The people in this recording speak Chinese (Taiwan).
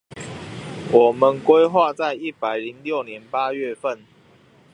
我們規劃在一百零六年八月份